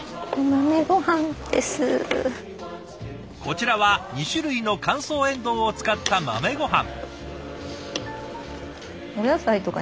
こちらは２種類の乾燥エンドウを使った豆ごはん。